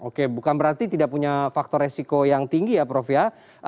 oke bukan berarti tidak punya faktor resiko yang tinggi ya prof ya